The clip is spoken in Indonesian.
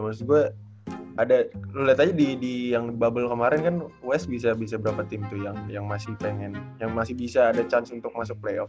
maksud gue lu liat aja di yang bubble kemarin kan west bisa berapa tim tuh yang masih bisa ada chance untuk masuk playoff